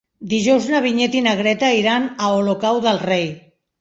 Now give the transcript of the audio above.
Dijous na Vinyet i na Greta iran a Olocau del Rei.